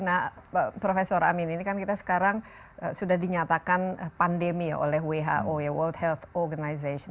nah prof amin ini kan kita sekarang sudah dinyatakan pandemi ya oleh who ya world health organization